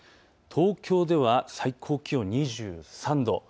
東京では最高気温２３度。